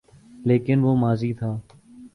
لیکن وہ ماضی تھا۔